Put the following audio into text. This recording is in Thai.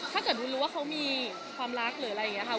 ถ้าเกิดวุ้นรู้ว่าเขามีความรักหรืออะไรอย่างนี้ค่ะ